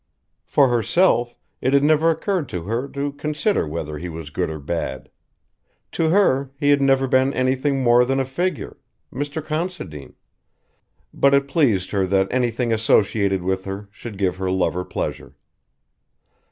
For herself it had never occurred to her to consider whether he was good or bad. To her he had never been anything more than a figure: Mr. Considine: but it pleased her that anything associated with her should give her lover pleasure.